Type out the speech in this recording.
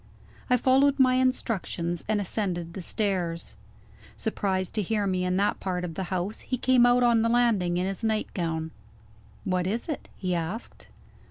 I followed my instructions, and ascended the stairs. Surprised to hear me in that part of the house, he came out on the landing in his nightgown. "What is it?" he asked.